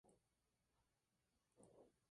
Su origen y su desarrollo han sido bastante modestos.